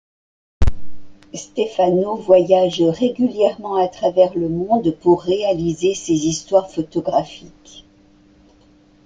Stefano voyage régulièrement à travers le monde pour réaliser ses histoires photographiques.